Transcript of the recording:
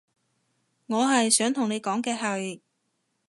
我係想同你講嘅係